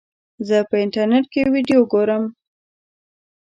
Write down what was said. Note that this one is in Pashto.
زه په انټرنیټ کې ویډیو ګورم.